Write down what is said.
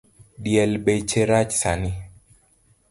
Diel beche rach sani